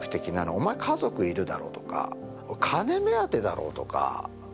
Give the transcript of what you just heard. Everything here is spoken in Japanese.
お前、家族いるだろとか、金目当てだろうとか。